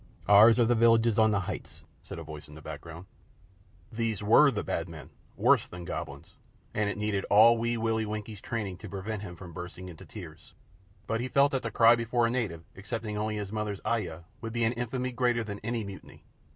Ours are the villages on the heights," said a voice in the background. These were the Bad Men worse than Goblins and it needed all Wee Willie Winkie's training to prevent him from bursting into tears. But he felt that to cry before a native, excepting only his mother's ayah, would be an infamy greater than any mutiny.